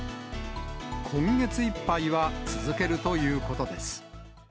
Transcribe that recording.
今月いっぱいは続けるということです。